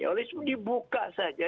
oleh itu dibuka saja